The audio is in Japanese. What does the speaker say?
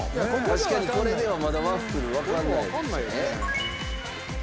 確かにこれではまだワッフルわからないですよね。